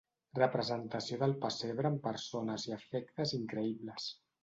Representació del pessebre amb persones i efectes increïbles.